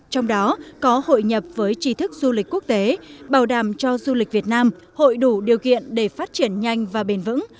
trong đó có hội nhập với trí thức du lịch quốc tế bảo đảm cho du lịch việt nam hội đủ điều kiện để phát triển nhanh và bền vững